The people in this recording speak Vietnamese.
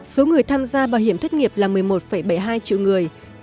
số người tham gia bảo hiểm thất nghiệp là một mươi một bảy mươi hai triệu người